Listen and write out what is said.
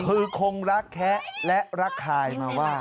คลิกรึงคงระแค๊ะและระใค่มาว่า